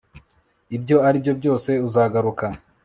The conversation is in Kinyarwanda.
ibyo aribyo byose uzagaruka